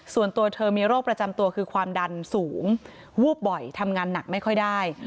ส่วนตัวเธอมีโรคประจำตัวคือความดันสูงวูบบ่อยทำงานหนักไม่ค่อยได้